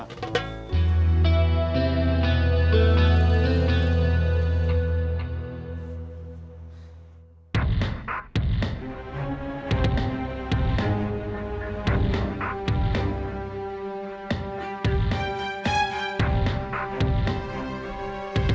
intinya a'a siapa